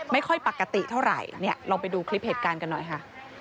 ไม่ค่อยปกติเท่าไหร่เนี่ยลองไปดูคลิปเหตุการณ์กันหน่อยค่ะ